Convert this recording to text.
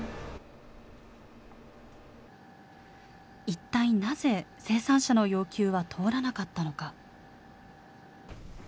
一体なぜ、生産者の要求は通らなかったのか。